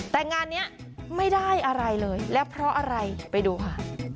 แต่งานนี้ไม่ได้อะไรเลยแล้วเพราะอะไรไปดูค่ะ